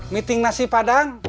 meeting nasi padang